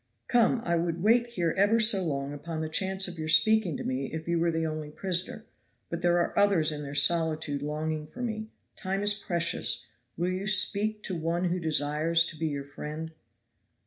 "Come, I would wait here ever so long upon the chance of your speaking to me if you were the only prisoner, but there are others in their solitude longing for me; time is precious; will you speak to one who desires to be your friend?"